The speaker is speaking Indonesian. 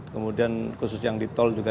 kemudian khusus yang di tol juga